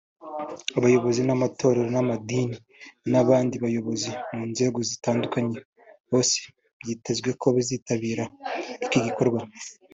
abayobozi b’amatorero n’amadini n’abandi bayobozi mu nzego zitandukanye bose byitezwe ko bitabira iki gikorwa